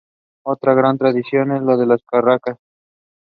And she did.